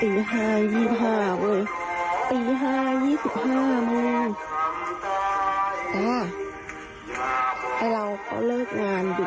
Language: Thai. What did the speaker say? ในคลิปบอกสู่สวรรค์ไปเลย